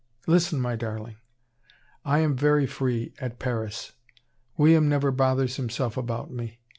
"Listen, my darling. I am very free at Paris. William never bothers himself about me.